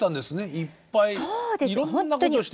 いっぱいいろんなことをして。